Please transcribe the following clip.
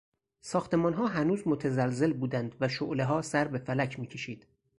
ساختمانها هنوز متزلزل بودند و شعلهها سر به فلک میکشید.